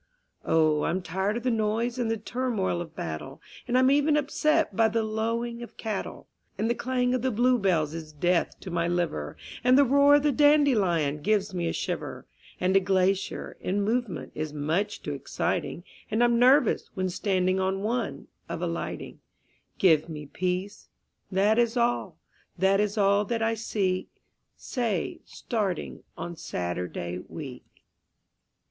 _ Oh, I'm tired of the noise and the turmoil of battle, And I'm even upset by the lowing of cattle, And the clang of the bluebells is death to my liver, And the roar of the dandelion gives me a shiver, And a glacier, in movement, is much too exciting, And I'm nervous, when standing on one, of alighting Give me Peace; that is all, that is all that I seek ... Say, starting on Saturday week.